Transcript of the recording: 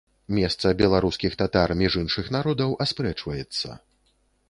Месца беларускіх татар між іншых народаў аспрэчваецца.